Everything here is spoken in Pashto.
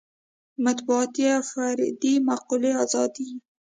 مطبوعاتي او فردي معقولې ازادۍ.